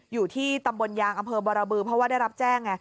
อยู่ที่ตำบลยางอำเภอบรบือเพราะว่าได้รับแจ้งไง